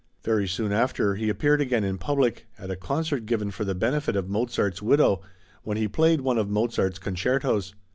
Very soon after, he appeared again in public, at a concert given for the benefit of Mozart's widow, when he played one of Mozart's concertos.